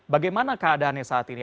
bagaimana keadaannya saat ini